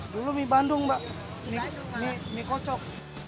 dulu mie bandung mie kocok